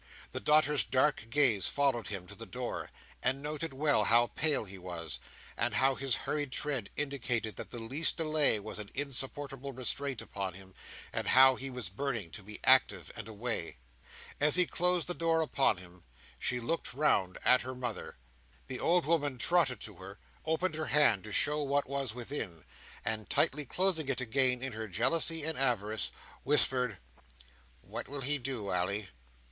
The daughter's dark gaze followed him to the door, and noted well how pale he was, and how his hurried tread indicated that the least delay was an insupportable restraint upon him, and how he was burning to be active and away. As he closed the door behind him, she looked round at her mother. The old woman trotted to her; opened her hand to show what was within; and, tightly closing it again in her jealousy and avarice, whispered: "What will he do, Ally?"